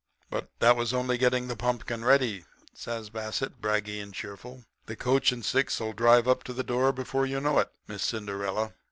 "'That was only getting the pumpkin ready,' says Bassett, braggy and cheerful. 'The coach and six'll drive up to the door before you know it, Miss Cinderella.